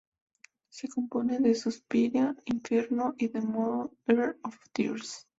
Se compone de "Suspiria", "Inferno" y "The Mother of Tears".